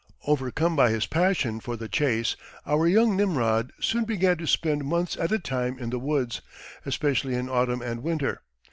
Overcome by his passion for the chase, our young Nimrod soon began to spend months at a time in the woods, especially in autumn and winter.